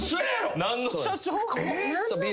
何の社長？